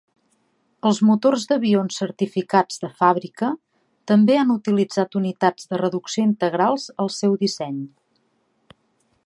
Els motors d'avions certificats de fàbrica també han utilitzat unitats de reducció integrals al seu disseny.